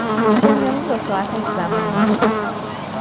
بنیامین با ساعتش زمان میگیرد